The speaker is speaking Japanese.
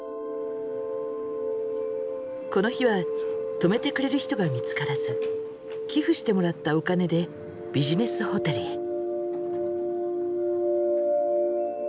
この日は泊めてくれる人が見つからず寄付してもらったお金でビジネスホテルへ。